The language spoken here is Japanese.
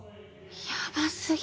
ヤバすぎ。